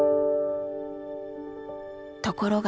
ところが。